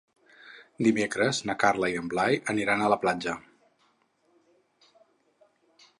Dimecres na Carla i en Blai aniran a la platja.